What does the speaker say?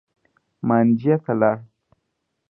مانجې ته لاړ.